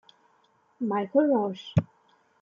Michael Rocque